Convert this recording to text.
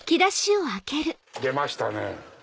出ましたね。